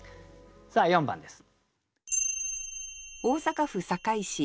さあ４番です。